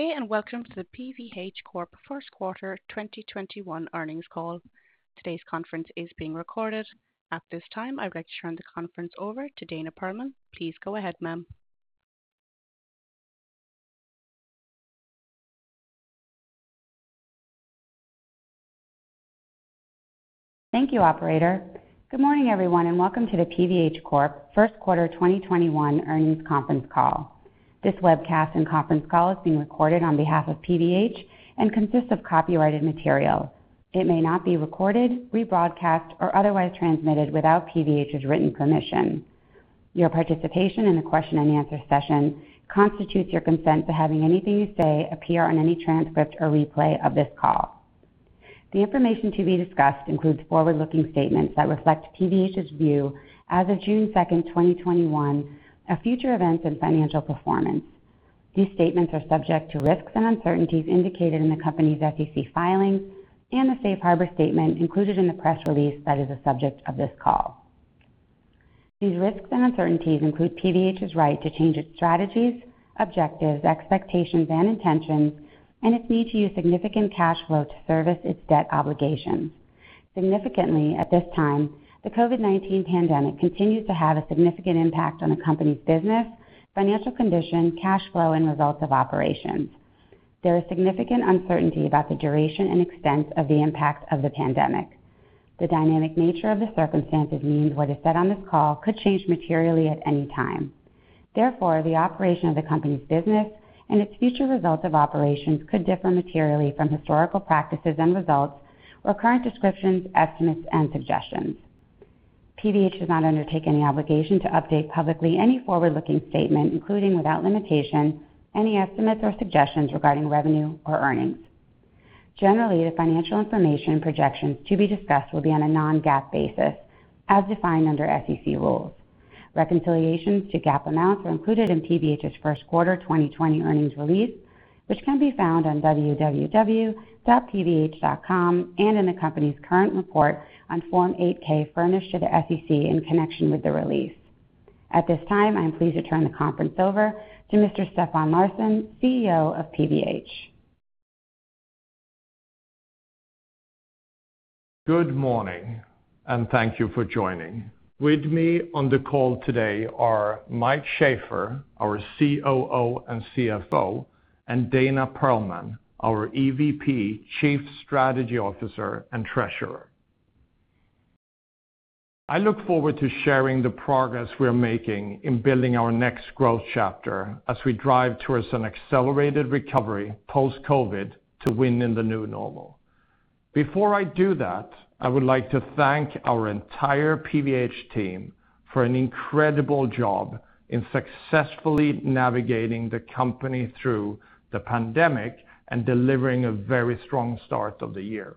Hey, welcome to the PVH Corp first quarter 2021 earnings call. Today's conference is being recorded. At this time, I'd like to turn the conference over to Dana Perlman. Please go ahead, ma'am. Thank you, operator. Good morning, everyone, and welcome to the PVH Corp. first quarter 2021 earnings conference call. This webcast and conference call is being recorded on behalf of PVH and consists of copyrighted material. It may not be recorded, rebroadcast, or otherwise transmitted without PVH's written permission. Your participation in the question and answer session constitutes your consent to having anything you say appear in any transcript or replay of this call. The information to be discussed includes forward-looking statements that reflect PVH's view as of June 2nd, 2021, of future events and financial performance. These statements are subject to risks and uncertainties indicated in the company's SEC filings and the safe harbor statement included in the press release that is the subject of this call. These risks and uncertainties include PVH's right to change its strategies, objectives, expectations, and intentions, and its need to use significant cash flow to service its debt obligations. Significantly, at this time, the COVID-19 pandemic continues to have a significant impact on the company's business, financial condition, cash flow, and results of operations. There is significant uncertainty about the duration and extent of the impact of the pandemic. The dynamic nature of the circumstances means what is said on this call could change materially at any time. Therefore, the operation of the company's business and its future results of operations could differ materially from historical practices and results or current descriptions, estimates, and suggestions. PVH does not undertake any obligation to update publicly any forward-looking statement, including, without limitation, any estimates or suggestions regarding revenue or earnings. Generally, the financial information and projections to be discussed will be on a non-GAAP basis, as defined under SEC rules. Reconciliations to GAAP amounts are included in PVH's first quarter 2020 earnings release, which can be found on www.pvh.com and in the company's current report on Form 8-K furnished to the SEC in connection with the release. At this time, I'm pleased to turn the conference over to Mr. Stefan Larsson, CEO of PVH. Good morning. Thank you for joining. With me on the call today are Mike Shaffer, our COO and CFO, and Dana Perlman, our EVP, Chief Strategy Officer, and Treasurer. I look forward to sharing the progress we are making in building our next growth chapter as we drive towards an accelerated recovery post-COVID to win in the new normal. Before I do that, I would like to thank our entire PVH team for an incredible job in successfully navigating the company through the pandemic and delivering a very strong start of the year.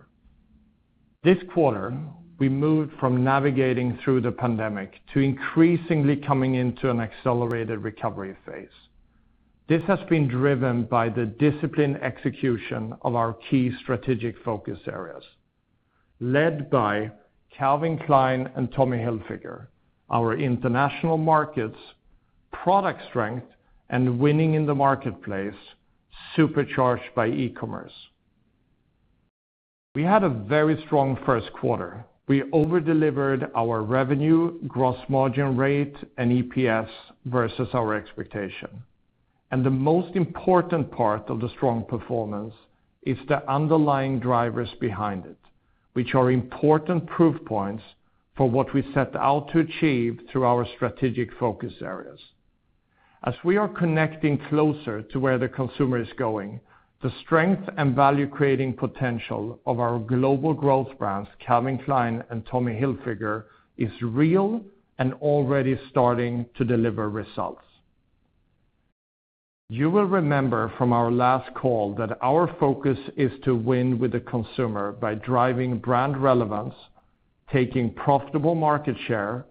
This quarter, we moved from navigating through the pandemic to increasingly coming into an accelerated recovery phase. This has been driven by the disciplined execution of our key strategic focus areas, led by Calvin Klein and Tommy Hilfiger, our international markets, product strength, and winning in the marketplace, supercharged by e-commerce. We had a very strong first quarter. We over-delivered our revenue, gross margin rate, and EPS versus our expectation. The most important part of the strong performance is the underlying drivers behind it, which are important proof points for what we set out to achieve through our strategic focus areas. As we are connecting closer to where the consumer is going, the strength and value-creating potential of our global growth brands, Calvin Klein and Tommy Hilfiger, is real and already starting to deliver results. You will remember from our last call that our focus is to win with the consumer by driving brand relevance, taking profitable market share,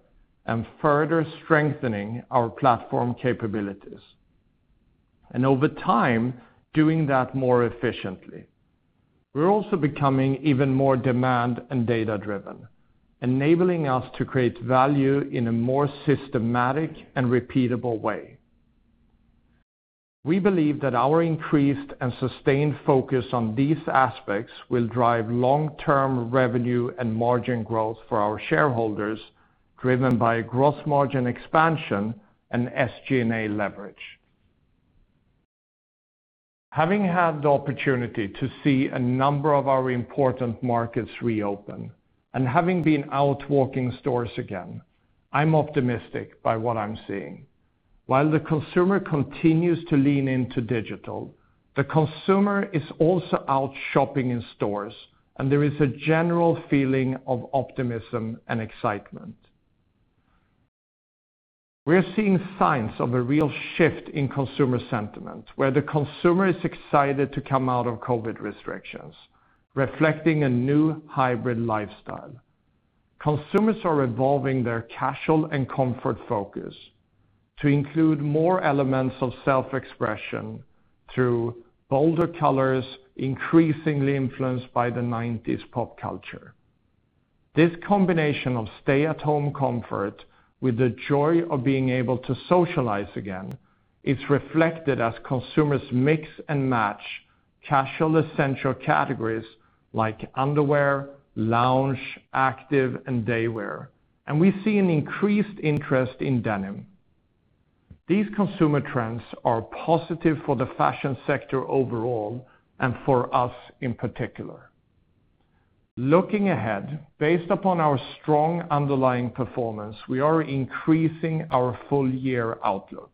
and further strengthening our platform capabilities. Over time, doing that more efficiently. We're also becoming even more demand and data-driven, enabling us to create value in a more systematic and repeatable way. We believe that our increased and sustained focus on these aspects will drive long-term revenue and margin growth for our shareholders, driven by gross margin expansion and SG&A leverage. Having had the opportunity to see a number of our important markets reopen, and having been out walking stores again, I'm optimistic by what I'm seeing. While the consumer continues to lean into digital, the consumer is also out shopping in stores, and there is a general feeling of optimism and excitement. We are seeing signs of a real shift in consumer sentiment, where the consumer is excited to come out of COVID restrictions, reflecting a new hybrid lifestyle. Consumers are evolving their casual and comfort focus to include more elements of self-expression through bolder colors, increasingly influenced by the 1990s pop culture. This combination of stay-at-home comfort with the joy of being able to socialize again is reflected as consumers mix and match casual essential categories like underwear, lounge, active, and daywear, and we see an increased interest in denim. These consumer trends are positive for the fashion sector overall and for us in particular. Looking ahead, based upon our strong underlying performance, we are increasing our full year outlook.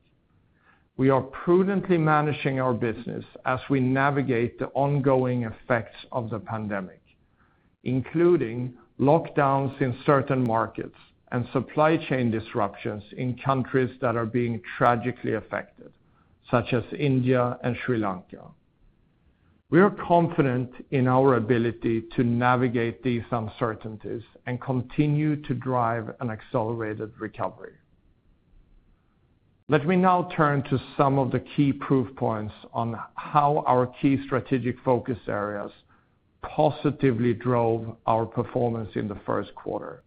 We are prudently managing our business as we navigate the ongoing effects of the pandemic, including lockdowns in certain markets and supply chain disruptions in countries that are being tragically affected, such as India and Sri Lanka. We are confident in our ability to navigate these uncertainties and continue to drive an accelerated recovery. Let me now turn to some of the key proof points on how our key strategic focus areas positively drove our performance in the first quarter.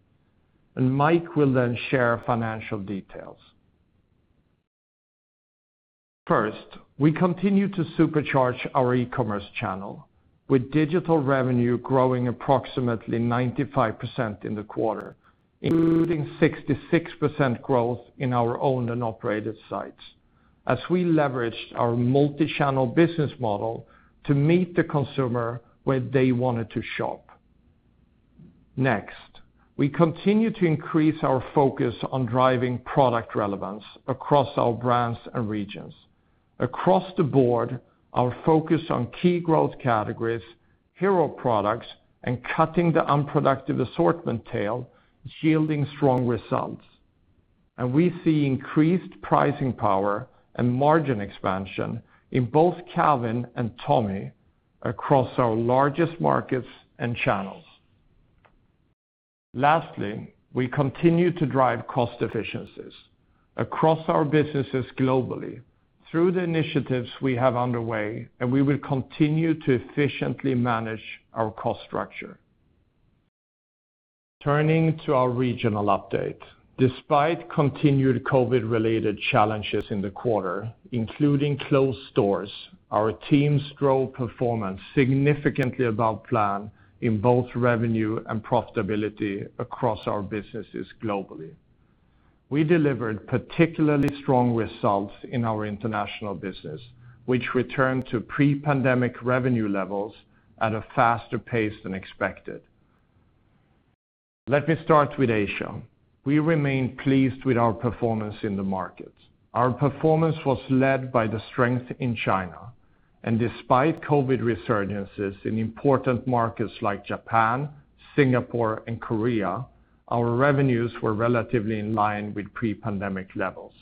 Mike will then share financial details. First, we continue to supercharge our e-commerce channel with digital revenue growing approximately 95% in the quarter, including 66% growth in our owned and operated sites as we leveraged our multi-channel business model to meet the consumer where they wanted to shop. Next, we continue to increase our focus on driving product relevance across our brands and regions. Across the board, our focus on key growth categories, hero products, and cutting the unproductive assortment tail is yielding strong results, and we see increased pricing power and margin expansion in both Calvin and Tommy across our largest markets and channels. Lastly, we continue to drive cost efficiencies across our businesses globally through the initiatives we have underway, and we will continue to efficiently manage our cost structure. Turning to our regional update. Despite continued COVID-related challenges in the quarter, including closed stores, our teams drove performance significantly above plan in both revenue and profitability across our businesses globally. We delivered particularly strong results in our international business, which returned to pre-pandemic revenue levels at a faster pace than expected. Let me start with Asia. We remain pleased with our performance in the market. Our performance was led by the strength in China, and despite COVID resurgences in important markets like Japan, Singapore, and Korea, our revenues were relatively in line with pre-pandemic levels.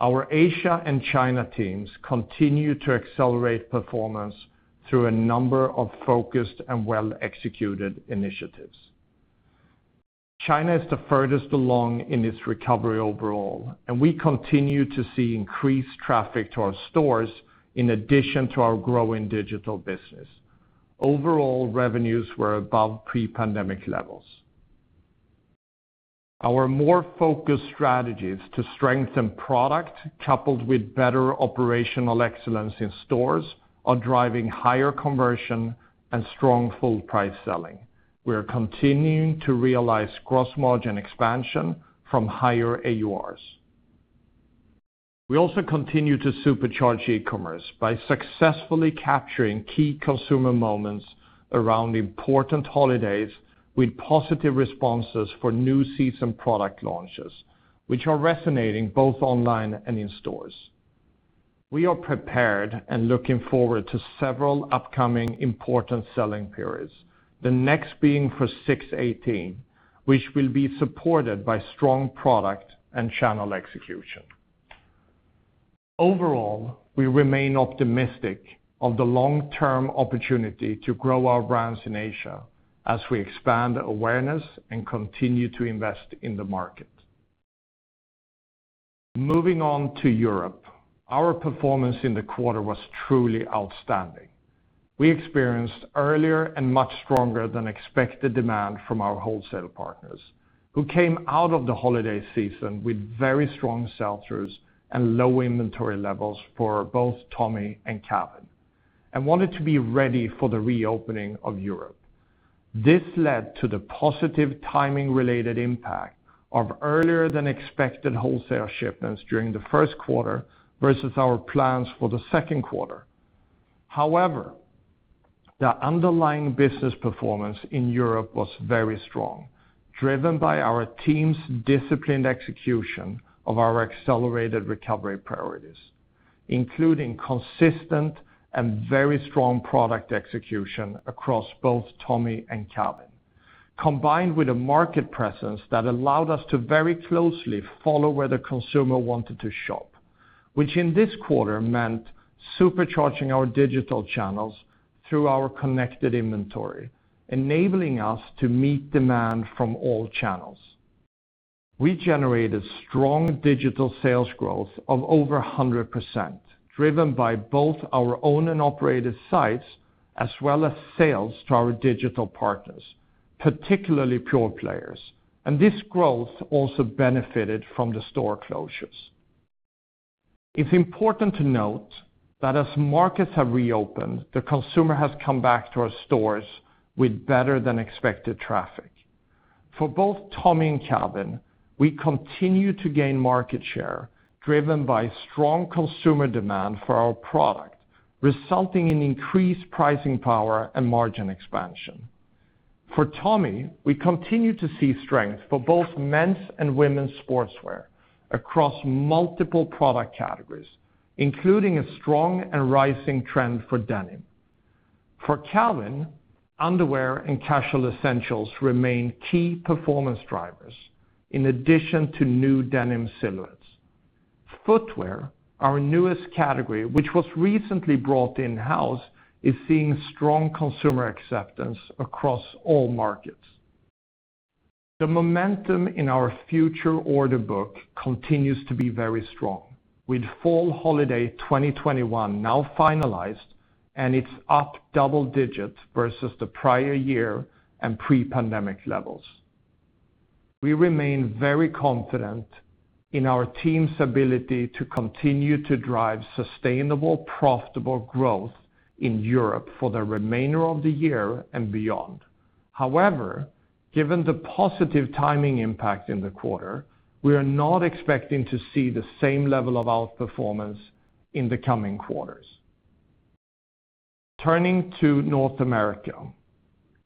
Our Asia and China teams continue to accelerate performance through a number of focused and well-executed initiatives. China is the furthest along in its recovery overall, and we continue to see increased traffic to our stores in addition to our growing digital business. Overall, revenues were above pre-pandemic levels. Our more focused strategies to strengthen product, coupled with better operational excellence in stores, are driving higher conversion and strong full price selling. We are continuing to realize gross margin expansion from higher AURs. We also continue to supercharge e-commerce by successfully capturing key consumer moments around important holidays with positive responses for new season product launches, which are resonating both online and in stores. We are prepared and looking forward to several upcoming important selling periods, the next being for 618, which will be supported by strong product and channel execution. Overall, we remain optimistic of the long-term opportunity to grow our brands in Asia as we expand awareness and continue to invest in the market. Moving on to Europe. Our performance in the quarter was truly outstanding. We experienced earlier and much stronger than expected demand from our wholesale partners who came out of the holiday season with very strong sell-throughs and low inventory levels for both Tommy and Calvin and wanted to be ready for the reopening of Europe. This led to the positive timing related impact of earlier than expected wholesale shipments during the first quarter versus our plans for the second quarter. However, the underlying business performance in Europe was very strong, driven by our team's disciplined execution of our accelerated recovery priorities, including consistent and very strong product execution across both Tommy and Calvin, combined with a market presence that allowed us to very closely follow where the consumer wanted to shop, which in this quarter meant supercharging our digital channels through our connected inventory, enabling us to meet demand from all channels. We generated strong digital sales growth of over 100%, driven by both our owned and operated sites, as well as sales to our digital partners, particularly pure players. This growth also benefited from the store closures. It's important to note that as markets have reopened, the consumer has come back to our stores with better than expected traffic. For both Tommy and Calvin, we continue to gain market share driven by strong consumer demand for our product, resulting in increased pricing power and margin expansion. For Tommy, we continue to see strength for both men's and women's sportswear across multiple product categories, including a strong and rising trend for denim. For Calvin, underwear and casual essentials remain key performance drivers, in addition to new denim silhouettes. Footwear, our newest category, which was recently brought in-house, is seeing strong consumer acceptance across all markets. The momentum in our future order book continues to be very strong with fall holiday 2021 now finalized, and it's up double digits versus the prior year and pre-pandemic levels. We remain very confident in our team's ability to continue to drive sustainable, profitable growth in Europe for the remainder of the year and beyond. However, given the positive timing impact in the quarter, we are not expecting to see the same level of outperformance in the coming quarters. Turning to North America.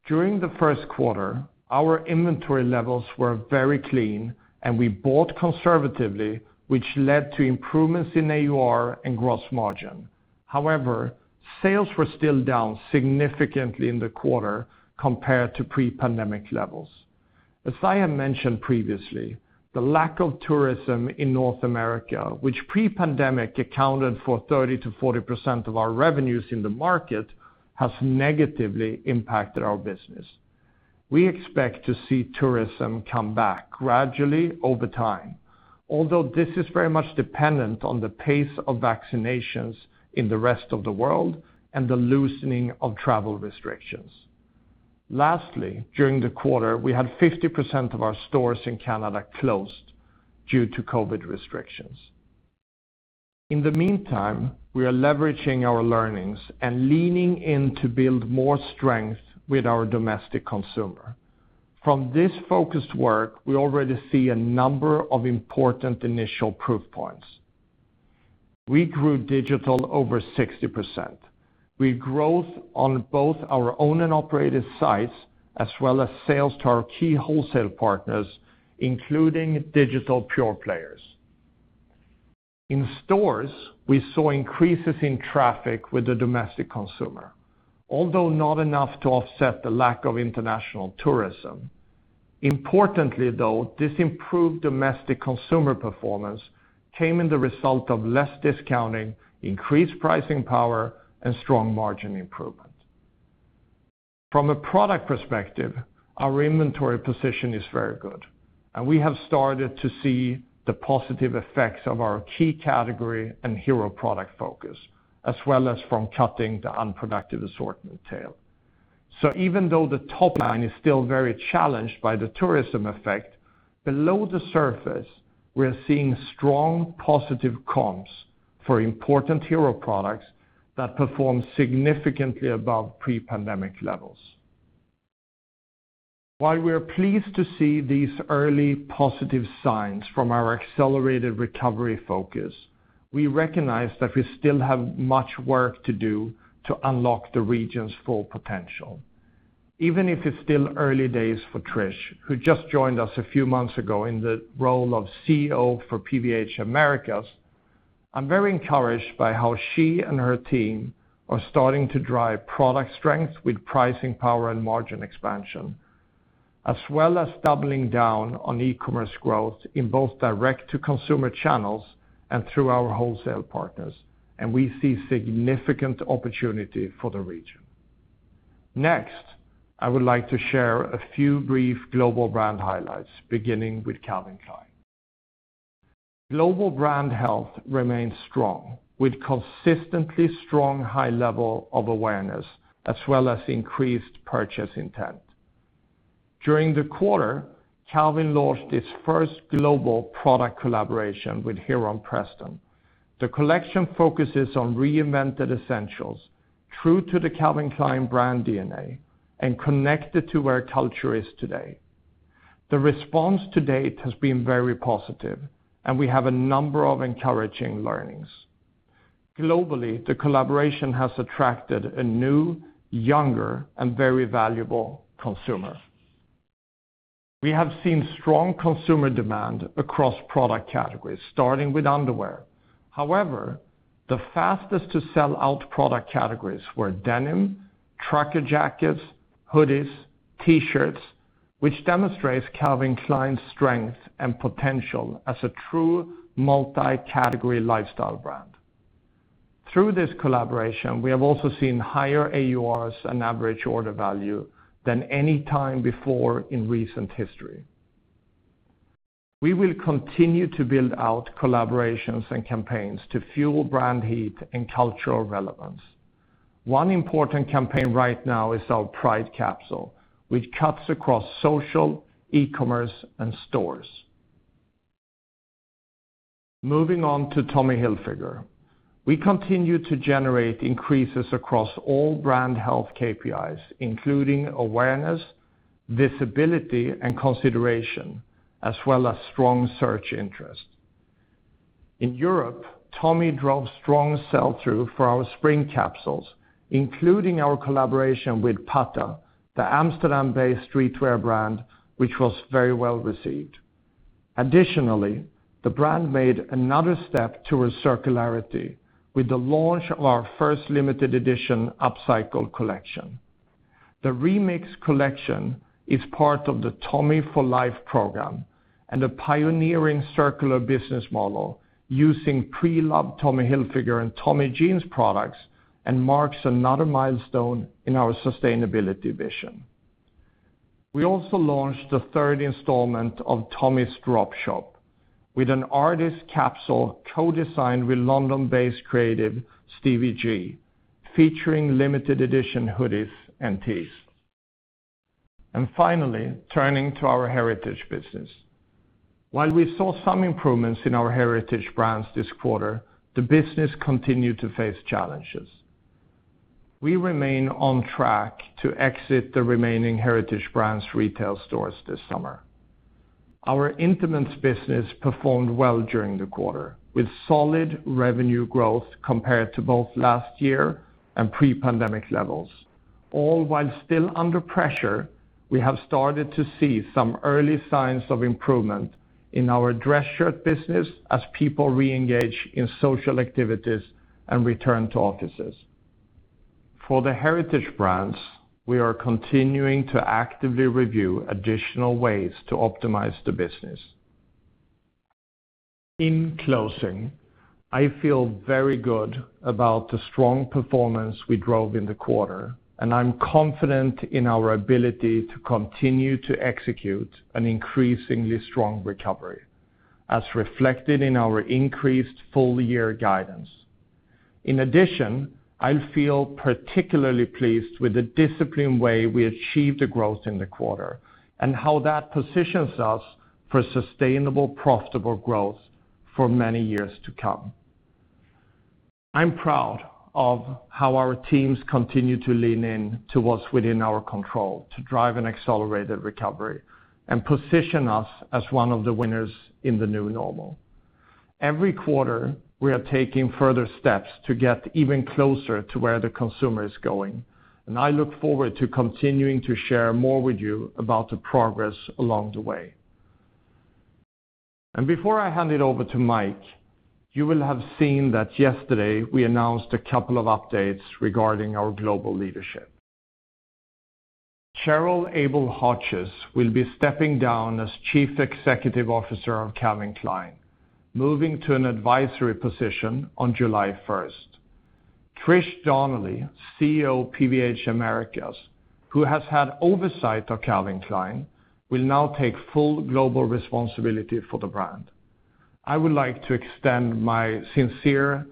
During the first quarter, our inventory levels were very clean, and we bought conservatively, which led to improvements in AUR and gross margin. However, sales were still down significantly in the quarter compared to pre-pandemic levels. As I had mentioned previously, the lack of tourism in North America, which pre-pandemic accounted for 30%-40% of our revenues in the market, has negatively impacted our business. We expect to see tourism come back gradually over time. Although this is very much dependent on the pace of vaccinations in the rest of the world and the loosening of travel restrictions. Lastly, during the quarter, we had 50% of our stores in Canada closed due to COVID restrictions. In the meantime, we are leveraging our learnings and leaning in to build more strength with our domestic consumer. From this focused work, we already see a number of important initial proof points. We grew digital over 60%, with growth on both our owned and operated sites, as well as sales to our key wholesale partners, including digital pure players. In stores, we saw increases in traffic with the domestic consumer, although not enough to offset the lack of international tourism. Importantly, though, this improved domestic consumer performance came in the result of less discounting, increased pricing power, and strong margin improvement. From a product perspective, our inventory position is very good, and we have started to see the positive effects of our key category and hero product focus, as well as from cutting the unproductive assortment tail. Even though the top line is still very challenged by the tourism effect, below the surface, we are seeing strong positive comps for important hero products that perform significantly above pre-pandemic levels. While we are pleased to see these early positive signs from our accelerated recovery focus, we recognize that we still have much work to do to unlock the region's full potential. Even if it's still early days for Trish, who just joined us a few months ago in the role of CEO for PVH Americas, I'm very encouraged by how she and her team are starting to drive product strength with pricing power and margin expansion, as well as doubling down on e-commerce growth in both direct-to-consumer channels and through our wholesale partners. We see significant opportunity for the region. Next, I would like to share a few brief global brand highlights, beginning with Calvin Klein. Global brand health remains strong, with consistently strong high level of awareness as well as increased purchase intent. During the quarter, Calvin launched its first global product collaboration with Heron Preston. The collection focuses on reinvented essentials, true to the Calvin Klein brand DNA and connected to where culture is today. The response to date has been very positive, and we have a number of encouraging learnings. Globally, the collaboration has attracted a new, younger, and very valuable consumer. We have seen strong consumer demand across product categories, starting with underwear. However, the fastest to sell out product categories were denim, tracker jackets, hoodies, T-shirts, which demonstrates Calvin Klein's strength and potential as a true multi-category lifestyle brand. Through this collaboration, we have also seen higher AURs and average order value than any time before in recent history. We will continue to build out collaborations and campaigns to fuel brand heat and cultural relevance. One important campaign right now is our Pride capsule, which cuts across social, e-commerce, and stores. Moving on to Tommy Hilfiger. We continue to generate increases across all brand health KPIs, including awareness, visibility, and consideration, as well as strong search interest. In Europe, Tommy drove strong sell-through for our spring capsules, including our collaboration with Patta, the Amsterdam-based streetwear brand, which was very well received. Additionally, the brand made another step towards circularity with the launch of our first limited edition upcycled collection. The remix collection is part of the Tommy For Life program and a pioneering circular business model using pre-loved Tommy Hilfiger and Tommy Jeans products and marks another milestone in our sustainability vision. We also launched the third installment of Tommy's Drop Shop with an artist capsule co-designed with London-based creative Stevie Gee, featuring limited edition hoodies and tees. Finally, turning to our heritage business. While we saw some improvements in our Heritage Brands this quarter, the business continued to face challenges. We remain on track to exit the remaining Heritage Brands retail stores this summer. Our intimates business performed well during the quarter, with solid revenue growth compared to both last year and pre-pandemic levels. All while still under pressure, we have started to see some early signs of improvement in our dress shirt business as people reengage in social activities and return to offices. For the Heritage Brands, we are continuing to actively review additional ways to optimize the business. In closing, I feel very good about the strong performance we drove in the quarter, and I'm confident in our ability to continue to execute an increasingly strong recovery, as reflected in our increased full-year guidance. In addition, I feel particularly pleased with the disciplined way we achieved the growth in the quarter and how that positions us for sustainable, profitable growth for many years to come. I'm proud of how our teams continue to lean in to what's within our control to drive an accelerated recovery and position us as one of the winners in the new normal. Every quarter, we are taking further steps to get even closer to where the consumer is going, and I look forward to continuing to share more with you about the progress along the way. Before I hand it over to Mike, you will have seen that yesterday we announced a couple of updates regarding our global leadership. Cheryl Abel-Hodges will be stepping down as Chief Executive Officer of Calvin Klein, moving to an advisory position on July 1st. Trish Donnelly, CEO, PVH Americas, who has had oversight of Calvin Klein, will now take full global responsibility for the brand. I would like to extend my sincere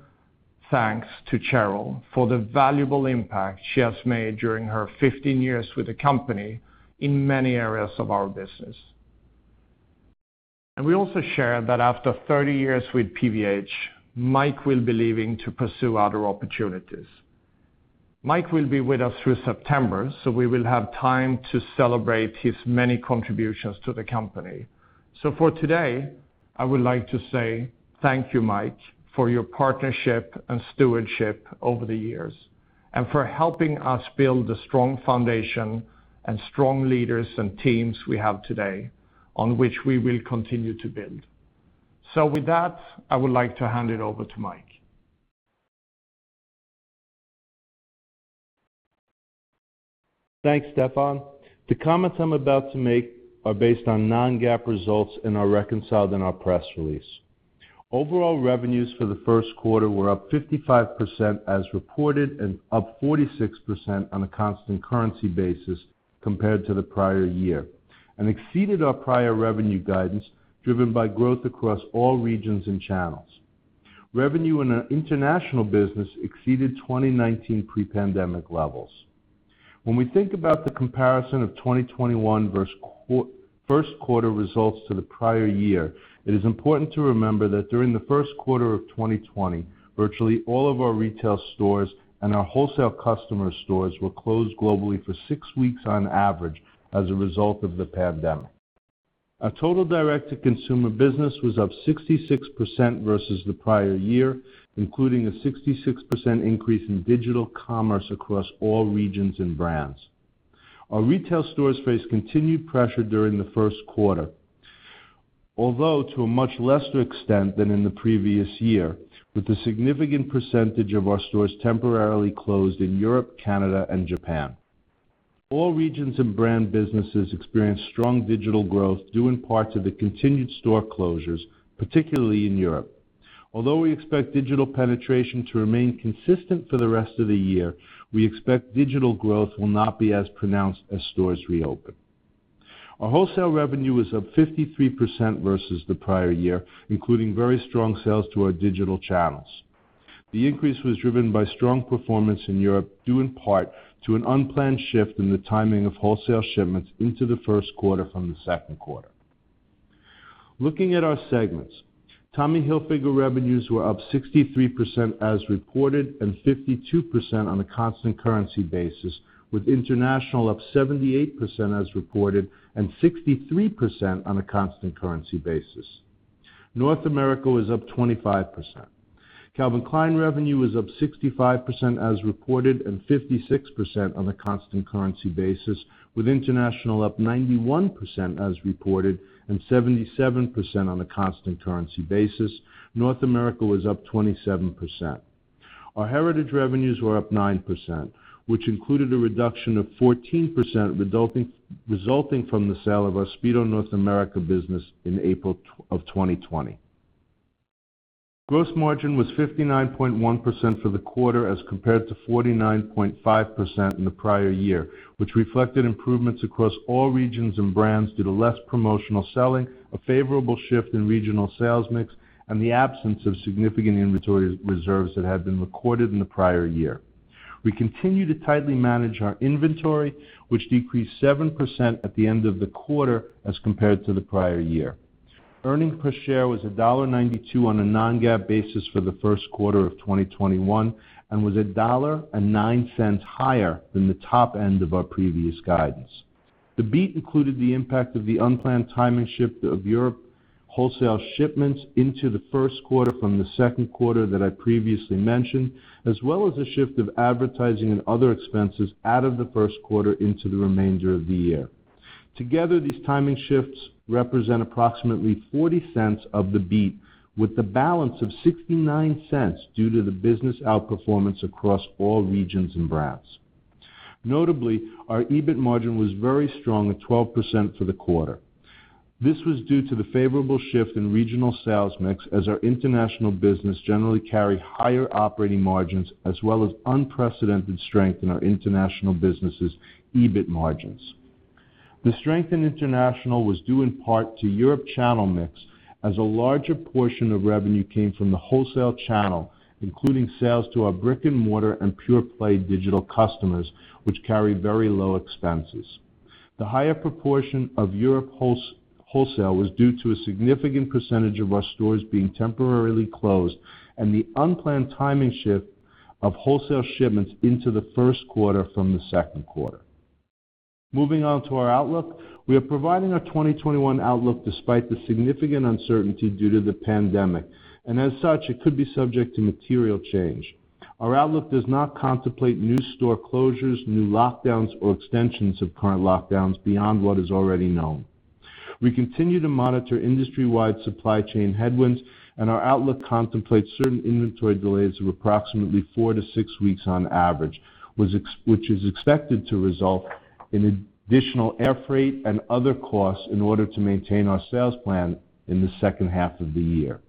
thanks to Cheryl for the valuable impact she has made during her 15 years with the company in many areas of our business. We also share that after 30 years with PVH, Mike will be leaving to pursue other opportunities. Mike will be with us through September, so we will have time to celebrate his many contributions to the company. For today, I would like to say thank you, Mike, for your partnership and stewardship over the years and for helping us build a strong foundation and strong leaders and teams we have today on which we will continue to build. With that, I would like to hand it over to Mike. Thanks, Stefan. The comments I'm about to make are based on non-GAAP results and are reconciled in our press release. Overall revenues for the first quarter were up 55% as reported and up 46% on a constant currency basis compared to the prior year and exceeded our prior revenue guidance, driven by growth across all regions and channels. Revenue in our international business exceeded 2019 pre-pandemic levels. When we think about the comparison of 2021 first quarter results to the prior year, it is important to remember that during the first quarter of 2020, virtually all of our retail stores and our wholesale customer stores were closed globally for six weeks on average as a result of the pandemic. Our total direct-to-consumer business was up 66% versus the prior year, including a 66% increase in digital commerce across all regions and brands. Our retail stores faced continued pressure during the first quarter, although to a much lesser extent than in the previous year, with a significant percentage of our stores temporarily closed in Europe, Canada, and Japan. All regions and brand businesses experienced strong digital growth due in part to the continued store closures, particularly in Europe. Although we expect digital penetration to remain consistent for the rest of the year, we expect digital growth will not be as pronounced as stores reopen. Our wholesale revenue was up 53% versus the prior year, including very strong sales to our digital channels. The increase was driven by strong performance in Europe, due in part to an unplanned shift in the timing of wholesale shipments into the first quarter from the second quarter. Looking at our segments, Tommy Hilfiger revenues were up 63% as reported and 52% on a constant currency basis, with international up 78% as reported and 63% on a constant currency basis. North America was up 25%. Calvin Klein revenue was up 65% as reported and 56% on a constant currency basis, with international up 91% as reported and 77% on a constant currency basis. North America was up 27%. Our Heritage revenues were up 9%, which included a reduction of 14% resulting from the sale of our Speedo North America business in April of 2020. Gross margin was 59.1% for the quarter as compared to 49.5% in the prior year, which reflected improvements across all regions and brands due to less promotional selling, a favorable shift in regional sales mix, and the absence of significant inventory reserves that had been recorded in the prior year. We continue to tightly manage our inventory, which decreased 7% at the end of the quarter as compared to the prior year. Earnings per share was $1.92 on a non-GAAP basis for the first quarter of 2021 and was $1.09 higher than the top end of our previous guidance. The beat included the impact of the unplanned timing shift of Europe wholesale shipments into the first quarter from the second quarter that I previously mentioned, as well as a shift of advertising and other expenses out of the first quarter into the remainder of the year. Together, these timing shifts represent approximately $0.40 of the beat, with the balance of $0.69 due to the business outperformance across all regions and brands. Notably, our EBIT margin was very strong at 12% for the quarter. This was due to the favorable shift in regional sales mix as our international business generally carried higher operating margins as well as unprecedented strength in our international business's EBIT margins. The strength in international was due in part to Europe channel mix, as a larger portion of revenue came from the wholesale channel, including sales to our brick-and-mortar and pure-play digital customers, which carry very low expenses. The higher proportion of Europe wholesale was due to a significant percentage of our stores being temporarily closed and the unplanned timing shift of wholesale shipments into the first quarter from the second quarter. Moving on to our outlook. We are providing our 2021 outlook despite the significant uncertainty due to the pandemic, and as such, it could be subject to material change. Our outlook does not contemplate new store closures, new lockdowns, or extensions of current lockdowns beyond what is already known. We continue to monitor industry-wide supply chain headwinds, and our outlook contemplates certain inventory delays of approximately four to six weeks on average, which is expected to result in additional air freight and other costs in order to maintain our sales plan in the second half of the year.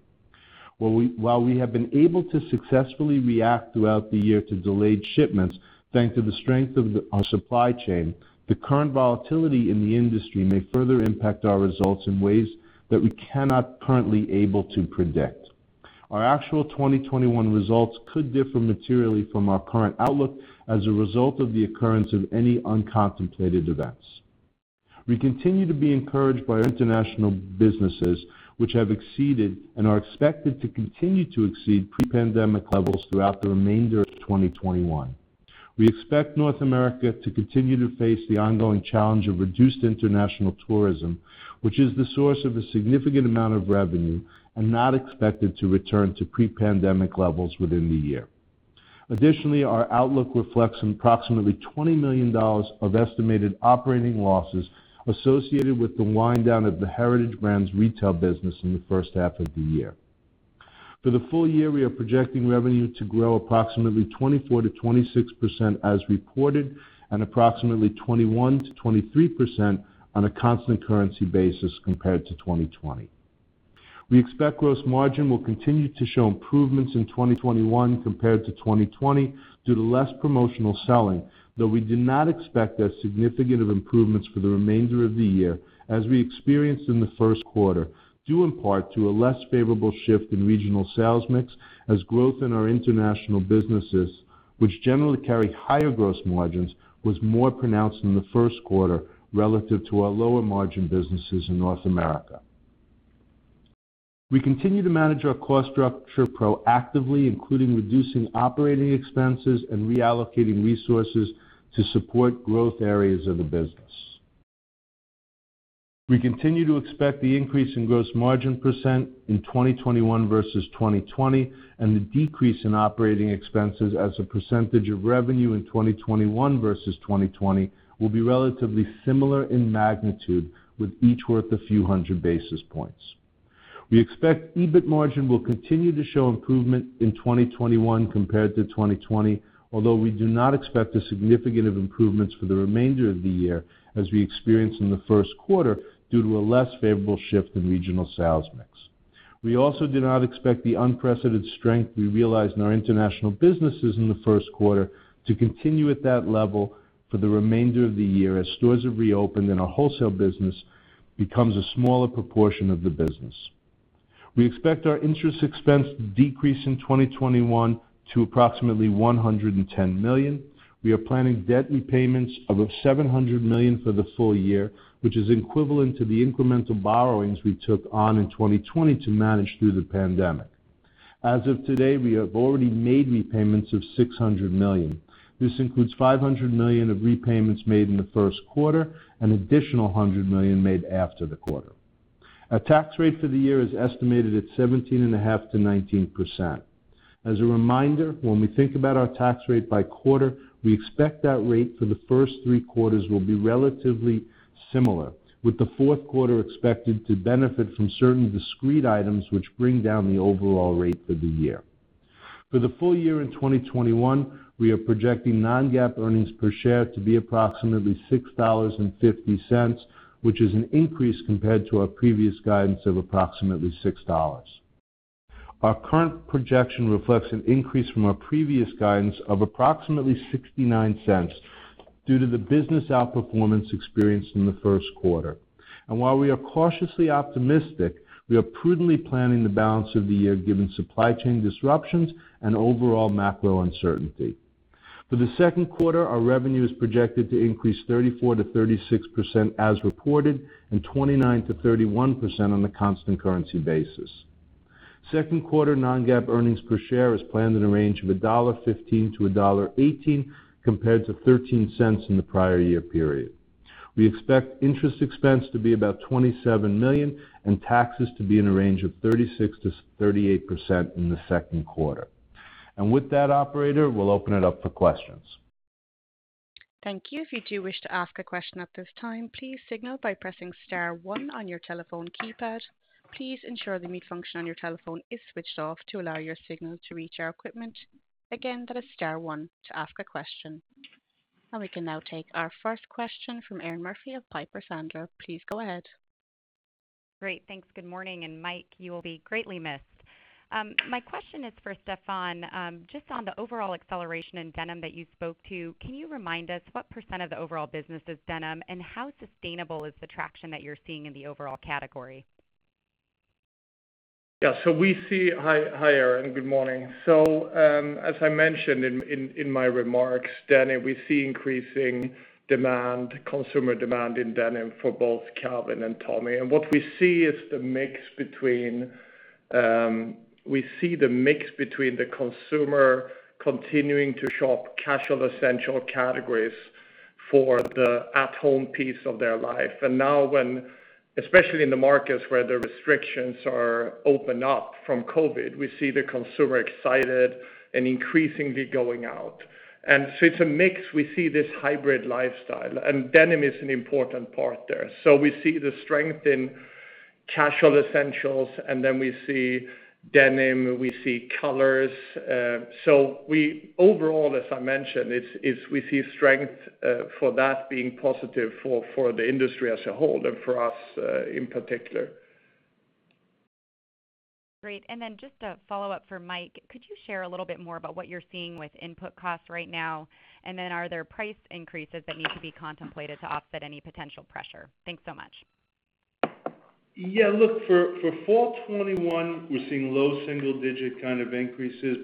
While we have been able to successfully react throughout the year to delayed shipments, thanks to the strength of our supply chain, the current volatility in the industry may further impact our results in ways that we cannot currently able to predict. Our actual 2021 results could differ materially from our current outlook as a result of the occurrence of any uncontemplated events. We continue to be encouraged by our international businesses, which have exceeded and are expected to continue to exceed pre-pandemic levels throughout the remainder of 2021. We expect North America to continue to face the ongoing challenge of reduced international tourism, which is the source of a significant amount of revenue and not expected to return to pre-pandemic levels within the year. Additionally, our outlook reflects approximately $20 million of estimated operating losses associated with the wind-down of the Heritage Brands retail business in the first half of the year. For the full year, we are projecting revenue to grow approximately 24%-26% as reported and approximately 21%-23% on a constant currency basis compared to 2020. We expect gross margin will continue to show improvements in 2021 compared to 2020 due to less promotional selling, though we do not expect as significant improvements for the remainder of the year as we experienced in the first quarter, due in part to a less favorable shift in regional sales mix as growth in our international businesses, which generally carry higher gross margins, was more pronounced in the first quarter relative to our lower-margin businesses in North America. We continue to manage our cost structure proactively, including reducing operating expenses and reallocating resources to support growth areas of the business. We continue to expect the increase in gross margin percent in 2021 versus 2020 and the decrease in operating expenses as a percentage of revenue in 2021 versus 2020 will be relatively similar in magnitude, with each worth a few 100 basis points. We expect EBIT margin will continue to show improvement in 2021 compared to 2020, although we do not expect the significant improvements for the remainder of the year as we experienced in the first quarter due to a less favorable shift in regional sales mix. We also do not expect the unprecedented strength we realized in our international businesses in the first quarter to continue at that level for the remainder of the year as stores are reopened and our wholesale business becomes a smaller proportion of the business. We expect our interest expense to decrease in 2021 to approximately $110 million. We are planning debt repayments of $700 million for the full year, which is equivalent to the incremental borrowings we took on in 2020 to manage through the pandemic. As of today, we have already made repayments of $600 million. This includes $500 million of repayments made in the first quarter, an additional $100 million made after the quarter. Our tax rate for the year is estimated at 17.5%-19%. As a reminder, when we think about our tax rate by quarter, we expect that rate for the first three quarters will be relatively similar, with the fourth quarter expected to benefit from certain discrete items which bring down the overall rate for the year. For the full year in 2021, we are projecting non-GAAP earnings per share to be approximately $6.50, which is an increase compared to our previous guidance of approximately $6. Our current projection reflects an increase from our previous guidance of approximately $0.69 due to the business outperformance experienced in the first quarter. While we are cautiously optimistic, we are prudently planning the balance of the year given supply chain disruptions and overall macro uncertainty. For the second quarter, our revenue is projected to increase 34%-36% as reported and 29%-31% on a constant currency basis. Second quarter non-GAAP earnings per share is planned in a range of $1.15-$1.18 compared to $0.13 in the prior year period. We expect interest expense to be about $27 million and taxes to be in a range of 36%-38% in the second quarter. With that, operator, we'll open it up for questions. Thank you. If you do wish to ask a question at this time please signal by pressing star one on you telephone keypad, please ensure the mute function on your telephone is switched off to allow your signal to reach our equipment. Again, that is star one to ask a question. We can now take our first question from Erinn Murphy of Piper Sandler. Please go ahead. Great. Thanks. Good morning. Mike, you will be greatly missed. My question is for Stefan. Just on the overall acceleration in denim that you spoke to, can you remind us what percent of the overall business is denim, and how sustainable is the traction that you're seeing in the overall category? Yeah. Hi, Erinn. Good morning. As I mentioned in my remarks, denim, we see increasing consumer demand in denim for both Calvin and Tommy. What we see is the mix between the consumer continuing to shop casual essential categories for the at-home piece of their life. Now when, especially in the markets where the restrictions are opened up from COVID, we see the consumer excited and increasingly going out. It's a mix. We see this hybrid lifestyle, and denim is an important part there. We see the strength in casual essentials, and then we see denim, we see colors. Overall, as I mentioned, we see strength for that being positive for the industry as a whole and for us in particular. Great. Just a follow-up for Mike. Could you share a little bit more about what you're seeing with input costs right now? Are there price increases that need to be contemplated to offset any potential pressure? Thanks so much. Yeah, look, for fall 2021, we're seeing low single-digit kind of increases.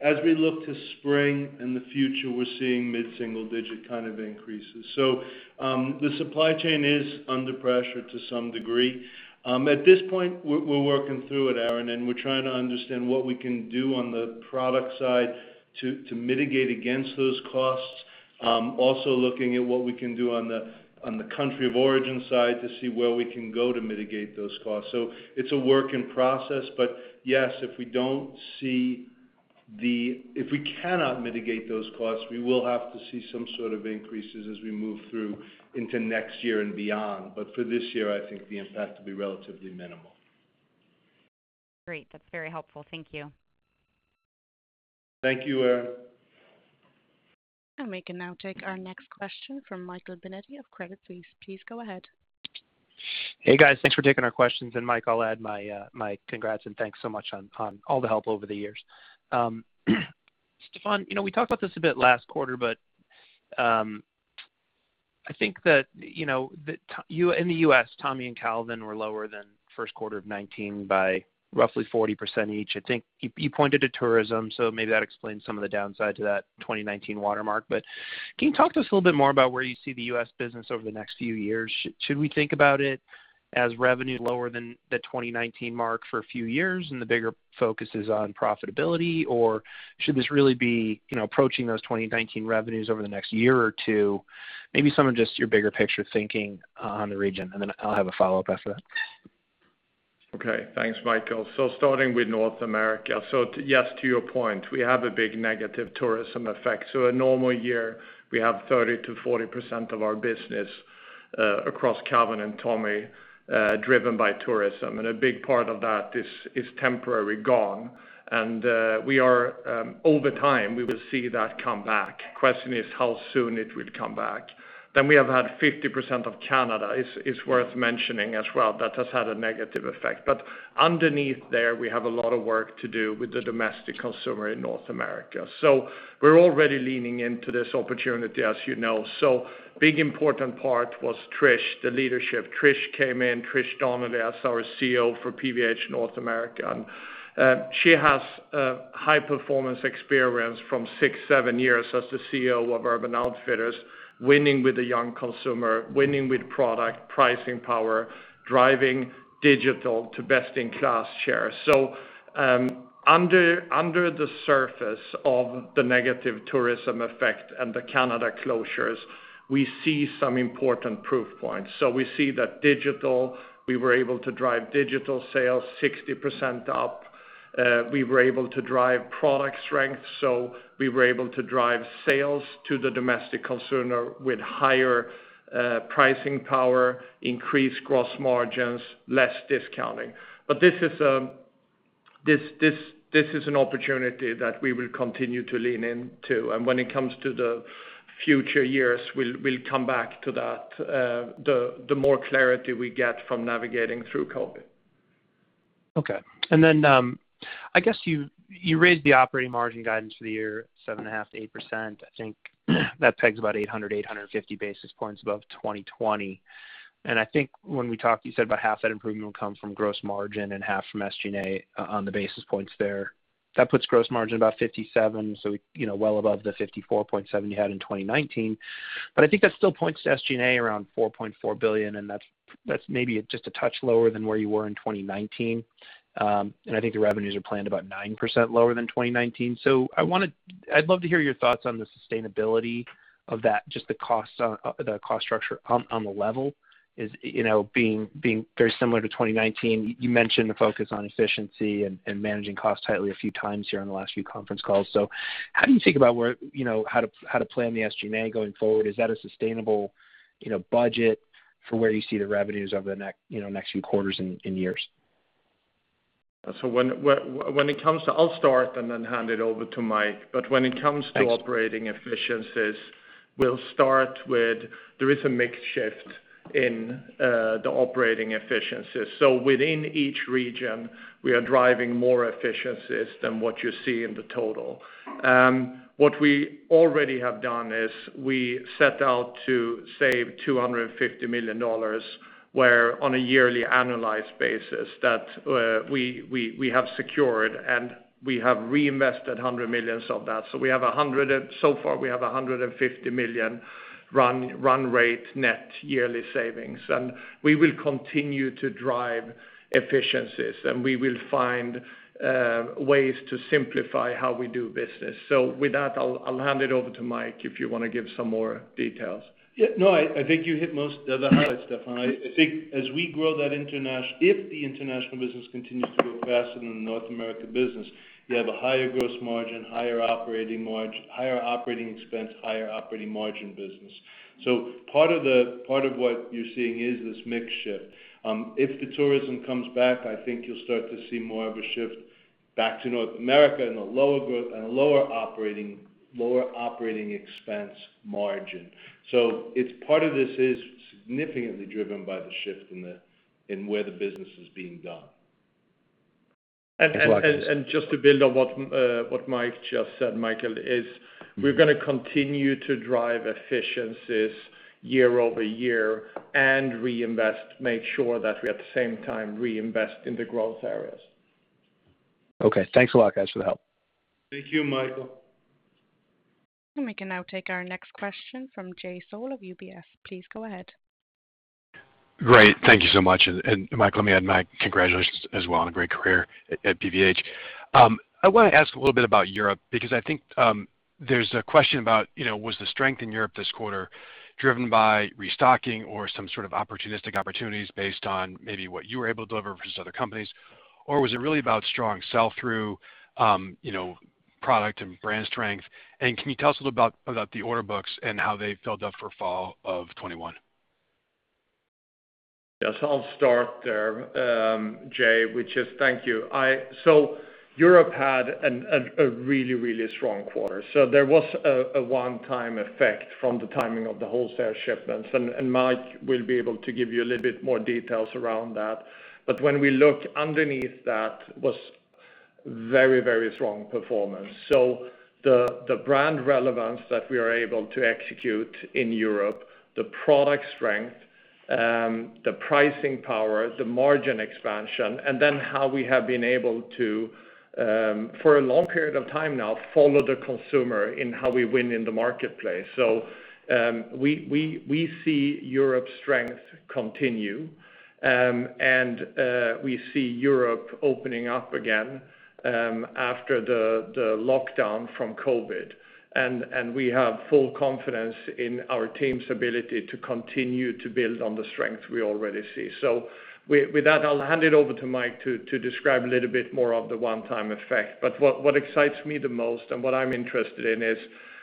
As we look to spring and the future, we're seeing mid-single digit kind of increases. The supply chain is under pressure to some degree. At this point, we're working through it, Erinn, and we're trying to understand what we can do on the product side to mitigate against those costs. Also looking at what we can do on the country of origin side to see where we can go to mitigate those costs. It's a work in process. Yes, if we cannot mitigate those costs, we will have to see some sort of increases as we move through into next year and beyond. For this year, I think the impact will be relatively minimal. Great. That's very helpful. Thank you. Thank you, Erinn. We can now take our next question from Michael Binetti of Credit Suisse. Please go ahead. Hey, guys. Thanks for taking our questions. Mike, I'll add my congrats and thanks so much on all the help over the years. Stefan, we talked about this a bit last quarter, but I think that in the U.S., Tommy and Calvin were lower than first quarter of 2019 by roughly 40% each. I think you pointed to tourism, so maybe that explained some of the downside to that 2019 watermark. Can you talk to us a little bit more about where you see the U.S. business over the next few years? Should we think about it as revenue lower than the 2019 mark for a few years and the bigger focus is on profitability? Should this really be approaching those 2019 revenues over the next year or two? Maybe some of just your bigger picture thinking on the region, and then I'll have a follow-up after that. Okay. Thanks, Michael. Starting with North America, yes, to your point, we have a big negative tourism effect. A normal year, we have 30%-40% of our business across Calvin and Tommy, driven by tourism. A big part of that is temporarily gone. Over time, we will see that come back. Question is how soon it will come back. We have had 50% of Canada, it's worth mentioning as well, that has had a negative effect. Underneath there, we have a lot of work to do with the domestic consumer in North America. We're already leaning into this opportunity, as you know. Big important part was Trish, the leadership. Trish came in, Trish Donnelly, as our CEO for PVH North America, and she has high-performance experience from six, seven years as the CEO of Urban Outfitters, winning with the young consumer, winning with product, pricing power, driving digital to best-in-class share. Under the surface of the negative tourism effect and the Canada closures, we see some important proof points. We see that digital, we were able to drive digital sales 60% up. We were able to drive product strength. We were able to drive sales to the domestic consumer with higher pricing power, increased gross margins, less discounting. This is an opportunity that we will continue to lean into. When it comes to the future years, we'll come back to that, the more clarity we get from navigating through COVID. Okay. I guess you raised the operating margin guidance for the year 7.5%-8%. I think that pegs about 800, 850 basis points above 2020. I think when we talked, you said about half that premium comes from gross margin and half from SG&A on the basis points there. That puts gross margin about 57%, well above the 54.7% you had in 2019. I think that still points to SG&A around $4.4 billion, that's maybe just a touch lower than where you were in 2019. I think your revenues are planned about 9% lower than 2019. I'd love to hear your thoughts on the sustainability of that, just the cost structure on the level, being very similar to 2019. You mentioned a focus on efficiency and managing costs tightly a few times here in the last few conference calls. How do you think about how to plan the SG&A going forward? Is that a sustainable budget for where you see the revenues over the next few quarters and years? I'll start and then hand it over to Mike. When it comes to operating efficiencies, we'll start with, there is a mix shift in the operating efficiencies. Within each region, we are driving more efficiencies than what you see in the total. What we already have done is we set out to save $250 million, where on a yearly annualized basis that we have secured, and we have reinvested $100 million of that. So far, we have $150 million run rate net yearly savings, and we will continue to drive efficiencies, and we will find ways to simplify how we do business. With that, I'll hand it over to Mike, if you want to give some more details. Yeah, no, I think you hit most of the highlights, Stefan. I think as we grow that international, if the international business continues to grow faster than the North America business, you have a higher gross margin, higher operating expense, higher operating margin business. Part of what you're seeing is this mix shift. If the tourism comes back, I think you'll start to see more of a shift back to North America and a lower operating expense margin. Part of this is significantly driven by the shift in where the business is being done. Just to build on what Mike just said, Michael, is we're going to continue to drive efficiencies year-over-year and reinvest, make sure that we at the same time reinvest in the growth areas. Okay. Thanks a lot, guys, for the help. Thank you, Michael. We can now take our next question from Jay Sole of UBS. Please go ahead. Great. Thank you so much. Stefan and Mike, congratulations as well on a great career at PVH. I want to ask a little bit about Europe, because I think there's a question about, was the strength in Europe this quarter driven by restocking or some sort of opportunistic opportunities based on maybe what you were able to deliver versus other companies? Was it really about strong sell-through, product and brand strength? Can you tell us a little about the order books and how they filled up for fall of 2021? Yes, I'll start there, Jay. Which is, thank you. Europe had a really strong quarter. There was a one-time effect from the timing of the wholesale shipments, and Mike will be able to give you a little bit more details around that. When we look underneath that, it was very strong performance. The brand relevance that we are able to execute in Europe, the product strength, the pricing power, the margin expansion, and then how we have been able to, for a long period of time now, follow the consumer in how we win in the marketplace. We see Europe's strength continue. We see Europe opening up again after the lockdown from COVID. We have full confidence in our team's ability to continue to build on the strength we already see. With that, I'll hand it over to Mike to describe a little bit more of the one-time effect. What excites me the most and what I'm interested in is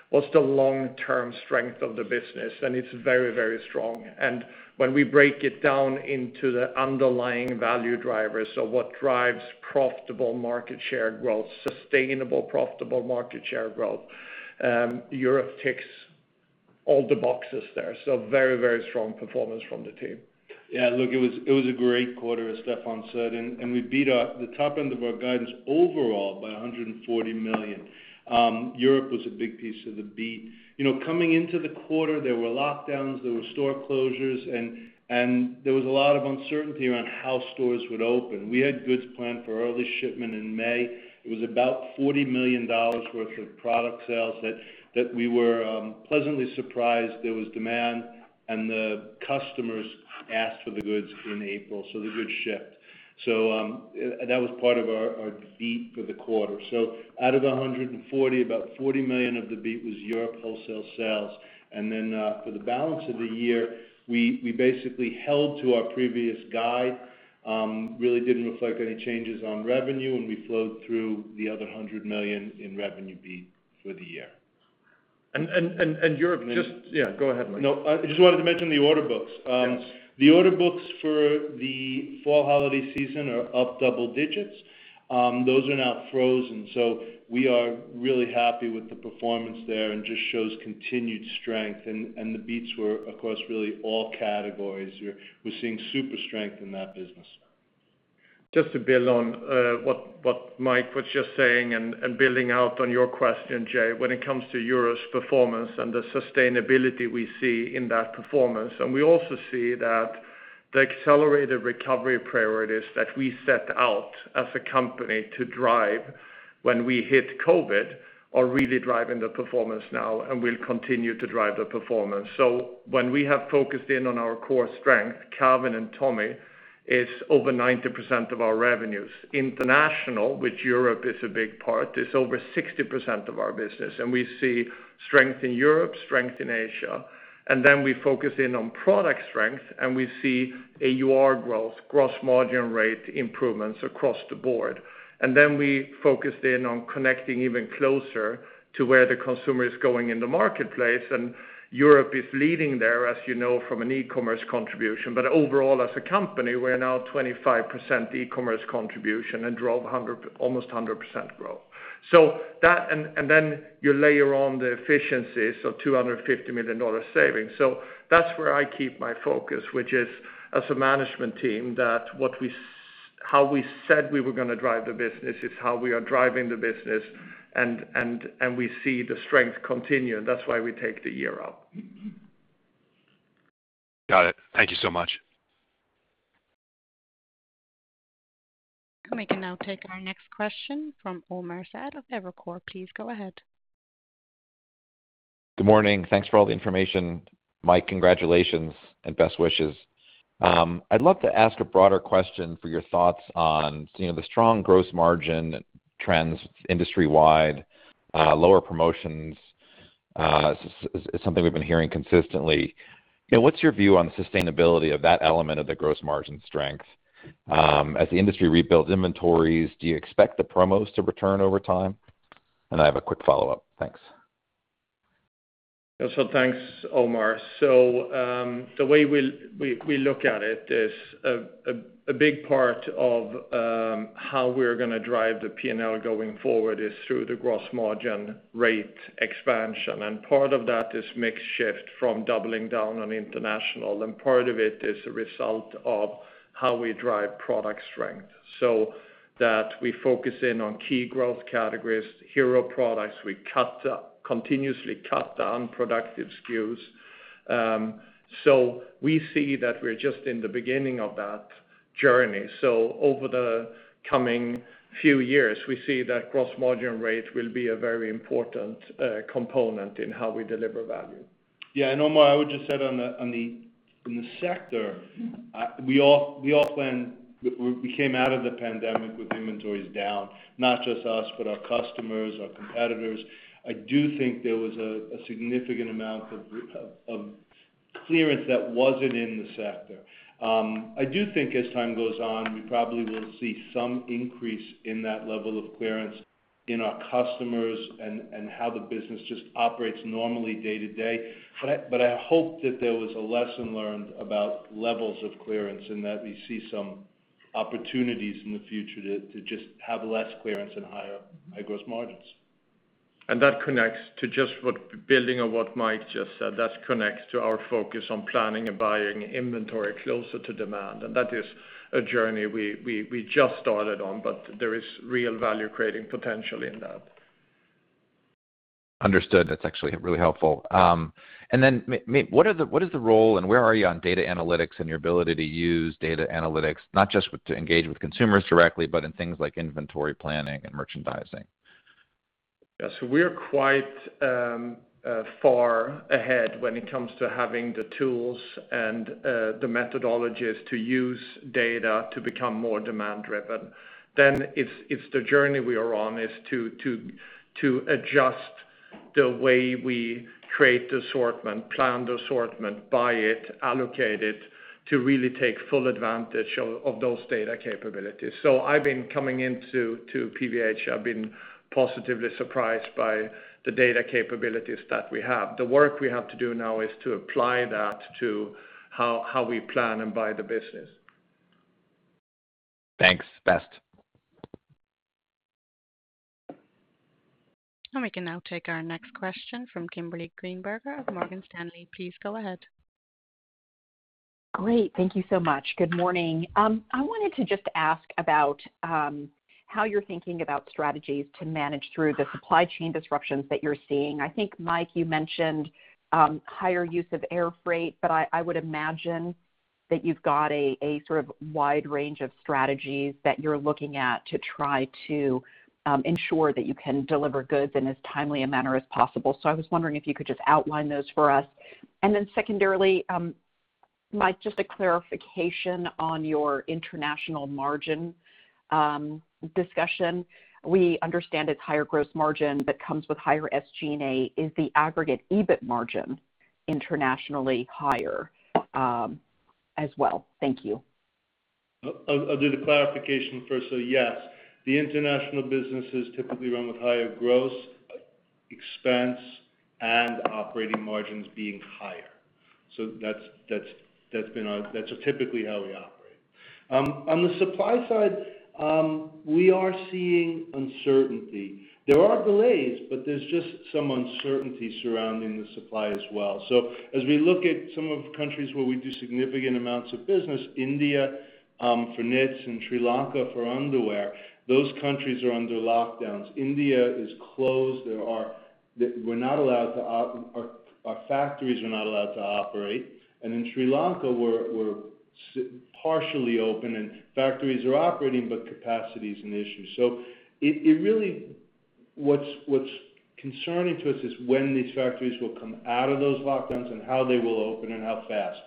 what's the long-term strength of the business? It's very strong. When we break it down into the underlying value drivers, so what drives profitable market share growth, sustainable profitable market share growth, Europe ticks all the boxes there. Very strong performance from the team. Yeah, look, it was a great quarter, as Stefan said, and we beat the top end of our guidance overall by $140 million. Europe was a big piece of the beat. Coming into the quarter, there were lockdowns, there were store closures, and there was a lot of uncertainty around how stores would open. We had goods planned for early shipment in May. It was about $40 million worth of product sales that we were pleasantly surprised there was demand, and the customers asked for the goods in April, so the goods shipped. That was part of our beat for the quarter. Out of the $140, about $40 million of the beat was Europe wholesale sales. For the balance of the year, we basically held to our previous guide, really didn't reflect any changes on revenue, and we flowed through the other $100 million in revenue beat for the year. Europe, Let me- Yeah, go ahead, Mike. No, I just wanted to mention the order books. Yes. The order books for the fall holiday season are up double digits. Those are now frozen. We are really happy with the performance there, and just shows continued strength. The beats were across really all categories. We're seeing super strength in that business. Just to build on what Mike was just saying and building out on your question, Jay, when it comes to Europe's performance and the sustainability we see in that performance, and we also see that the accelerated recovery priorities that we set out as a company to drive when we hit COVID are really driving the performance now and will continue to drive the performance. When we have focused in on our core strength, Calvin and Tommy is over 90% of our revenues. International, which Europe is a big part, is over 60% of our business, and we see strength in Europe, strength in Asia. Then we focus in on product strength, and we see AUR growth, gross margin rate improvements across the board. Then we focused in on connecting even closer to where the consumer is going in the marketplace, and Europe is leading there, as you know, from an e-commerce contribution. Overall, as a company, we're now 25% e-commerce contribution and drove almost 100% growth. Then you layer on the efficiencies of $250 million savings. That's where I keep my focus, which is as a management team, that how we said we were going to drive the business is how we are driving the business, and we see the strength continue. That's why we take the year up. Got it. Thank you so much. Great. I'll take our next question from Omar Saad of Evercore. Please go ahead. Good morning. Thanks for all the information. Mike, congratulations and best wishes. I'd love to ask a broader question for your thoughts on the strong gross margin trends industry-wide, lower promotions. It's something we've been hearing consistently. What's your view on sustainability of that element of the gross margin strength? As the industry rebuilds inventories, do you expect the promos to return over time? I have a quick follow-up. Thanks. Thanks, Omar. The way we look at it is a big part of how we're going to drive the P&L going forward is through the gross margin rate expansion, and part of that is mix shift from doubling down on international, and part of it is a result of how we drive product strength, so that we focus in on key growth categories, hero products. We continuously cut the unproductive SKUs. We see that we're just in the beginning of that journey. Over the coming few years, we see that gross margin rate will be a very important component in how we deliver value. Omar, I would just add on the sector, we all went, we came out of the pandemic with inventories down, not just us, but our customers, our competitors. I do think there was a significant amount of clearance that wasn't in the sector. I do think as time goes on, we probably will see some increase in that level of clearance in our customers and how the business just operates normally day to day. I hope that there was a lesson learned about levels of clearance and that we see some opportunities in the future to just have less clearance and higher gross margins. That connects to just building on what Mike just said, that connects to our focus on planning and buying inventory closer to demand. That is a journey we just started on, but there is real value-creating potential in that. Understood. That's actually really helpful. What is the role and where are you on data analytics and your ability to use data analytics, not just to engage with consumers directly, but in things like inventory planning and merchandising? Yeah. We are quite far ahead when it comes to having the tools and the methodologies to use data to become more demand-driven. It's the journey we are on is to adjust the way we create assortment, plan the assortment, buy it, allocate it, to really take full advantage of those data capabilities. I've been coming into PVH, I've been positively surprised by the data capabilities that we have. The work we have to do now is to apply that to how we plan and buy the business. Thanks. Best. We can now take our next question from Kimberly Greenberger of Morgan Stanley. Please go ahead. Great. Thank you so much. Good morning. I wanted to just ask about how you're thinking about strategies to manage through the supply chain disruptions that you're seeing. I think, Mike, you mentioned higher use of air freight. I would imagine that you've got a sort of wide range of strategies that you're looking at to try to ensure that you can deliver goods in as timely a manner as possible. I was wondering if you could just outline those for us. Then secondarily, Mike, just a clarification on your international margin discussion. We understand it's higher gross margin that comes with higher SG&A. Is the aggregate EBIT margin internationally higher as well? Thank you. I'll do the clarification first. Yes, the international business is typically run with higher gross expense and operating margins being higher. That's typically how we operate. On the supply side, we are seeing uncertainty. There are delays, but there's just some uncertainty surrounding the supply as well. As we look at some of the countries where we do significant amounts of business, India for knits and Sri Lanka for underwear, those countries are under lockdowns. India is closed. Our factories are not allowed to operate. In Sri Lanka, we're partially open and factories are operating, but capacity is an issue. What's concerning to us is when these factories will come out of those lockdowns and how they will open and how fast.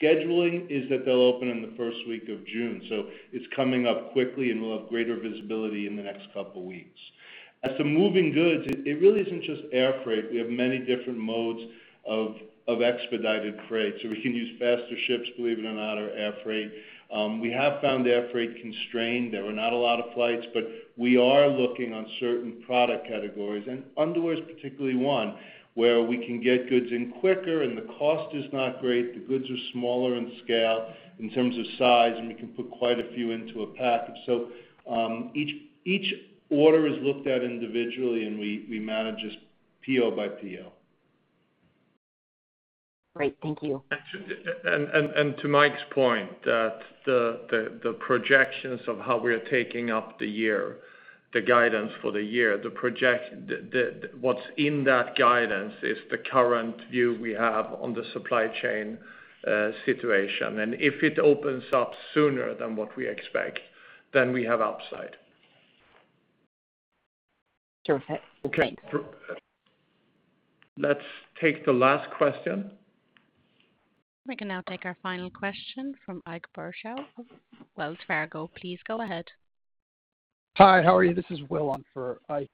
Scheduling is that they'll open in the first week of June, so it's coming up quickly and we'll have greater visibility in the next couple of weeks. As to moving goods, it really isn't just air freight. We have many different modes of expedited freight, so we can use faster ships, believe it or not, or air freight. We have found air freight constrained. There are not a lot of flights, but we are looking on certain product categories, and underwear is particularly one, where we can get goods in quicker and the cost is not great. The goods are smaller in scale in terms of size, and we can put quite a few into a package. Each order is looked at individually and we manage this PO by PO. Great. Thank you. To Mike's point that the projections of how we are taking up the year, the guidance for the year, what's in that guidance is the current view we have on the supply chain situation, and if it opens up sooner than what we expect, then we have upside. Perfect. Great. Let's take the last question. We can now take our final question from Ike Boruchow of Wells Fargo. Please go ahead. Hi, how are you? This is Will on for Ike.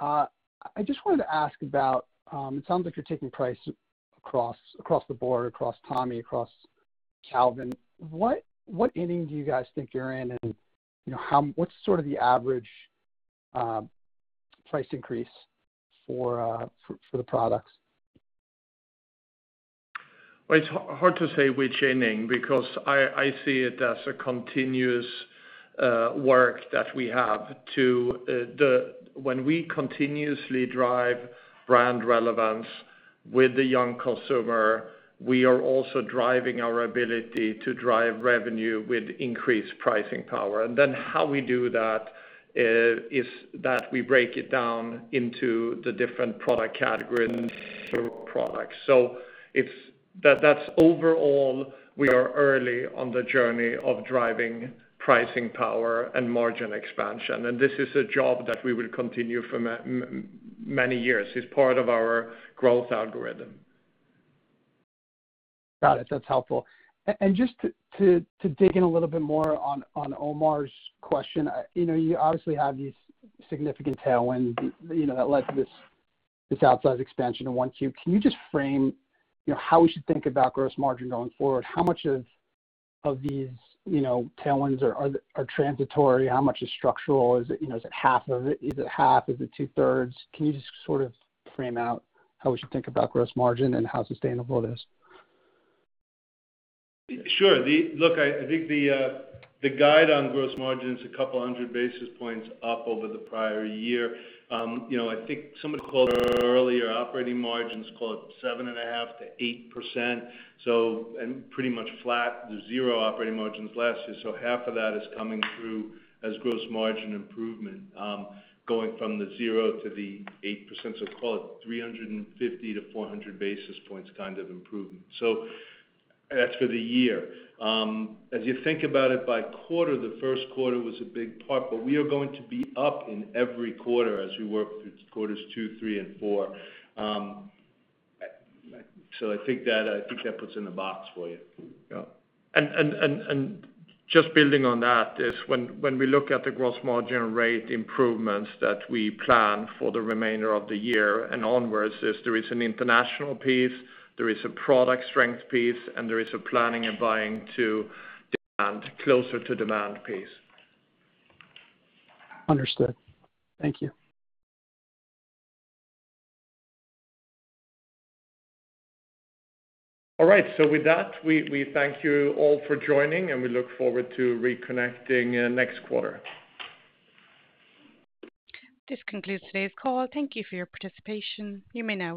I just wanted to ask about, it sounds like you're taking price across the board, across Tommy, across Calvin. What inning do you guys think you're in, and what's sort of the average price increase for the products? Well, it's hard to say which inning because I see it as a continuous work that we have. When we continuously drive brand relevance with the young consumer, we are also driving our ability to drive revenue with increased pricing power. How we do that is that we break it down into the different product categories and individual products. That's overall, we are early on the journey of driving pricing power and margin expansion, and this is a job that we will continue for many years. It's part of our growth algorithm. Got it. That's helpful. Just to dig in a little bit more on Omar's question, you obviously have these significant tailwinds that led to this outsized extension in 1Q. Can you just frame how we should think about gross margin going forward? How much of these tailwinds are transitory? How much is structural? Is it half of it? Is it half? Is it two-thirds? Can you just sort of frame out how we should think about gross margin and how sustainable it is? Sure. Look, I think the guide on gross margin is a couple of 100 basis points up over the prior year. I think someone called it earlier, operating margin is call it 7.5% To 8%, and pretty much flat to zero operating margins last year. Half of that is coming through as gross margin improvement, going from the zero to the 8%, so call it 350 to 400 basis points kind of improvement. After the year. As you think about it by quarter, the first quarter was a big part, but we are going to be up in every quarter as we work through quarters two, three and four. I think that puts it in a box for you. Yeah. Just building on that is when we look at the gross margin rate improvements that we plan for the remainder of the year and onwards, is there is an international piece, there is a product strength piece, and there is a planning and buying to demand, closer to demand piece. Understood. Thank you. All right. With that, we thank you all for joining and we look forward to reconnecting next quarter. This concludes today's call. Thank you for your participation. You may now disconnect.